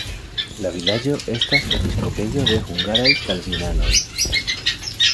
La vilaĝo estas episkopejo de hungaraj kalvinanoj.